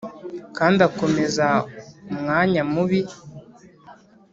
kandi akomeza umwanya mubi